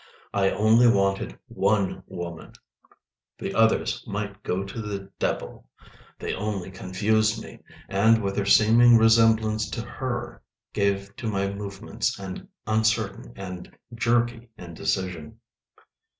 I only wanted one woman—the others might go to the devil; they only confused me, and with their seeming resemblance to Her gave to my movements an uncertain and jerky indecision.